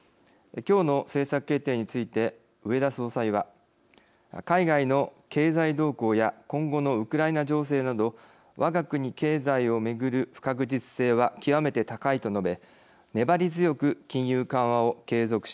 政策決定について植田総裁は「海外の経済動向や今後のウクライナ情勢などわが国経済を巡る不確実性は極めて高い」と述べ粘り強く金融緩和を継続していくとしています。